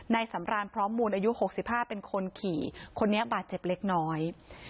สำรานพร้อมมูลอายุ๖๕เป็นคนขี่คนนี้บาดเจ็บเล็กน้อย